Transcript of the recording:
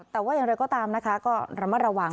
แต่ว่าอย่างไรก็ตามนะคะก็ระมัดระวัง